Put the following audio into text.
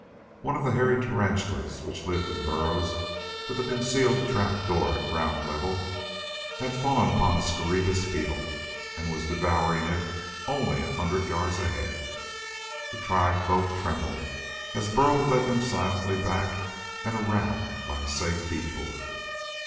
One of the hairy tarantulas which lived in burrows with a concealed trap door at ground level, had fallen upon a scarabeus beetle and was devouring it only a hundred yards ahead. The tribesfolk trembled as Burl led them silently back and around by a safe detour.